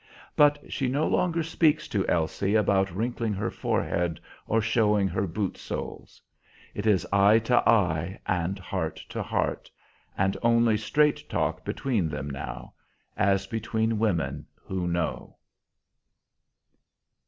But she no longer speaks to Elsie about wrinkling her forehead or showing her boot soles. It is eye to eye and heart to heart, and only straight talk between them now, as between women who know.